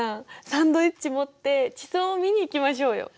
サンドイッチ持って地層を見に行きましょうよ。